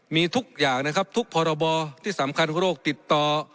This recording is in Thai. มีทุกอย่างนะครับทุกพรบที่สำคัญของโรคติดต่อ